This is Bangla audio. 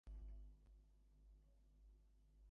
ওটা আরেকটা প্লেন, তাই না?